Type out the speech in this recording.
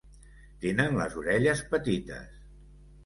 Tenen les orelles petites.